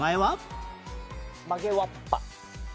曲げわっぱ。